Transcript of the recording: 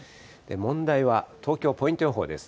問題は東京、ポイント予報です。